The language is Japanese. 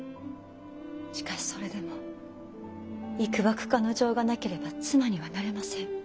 しかしそれでもいくばくかの情がなければ妻にはなれません。